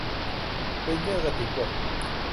เยิ่นเย้อกฐินบก